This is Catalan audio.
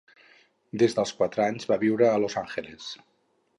Des dels quatre anys va viure a Los Angeles.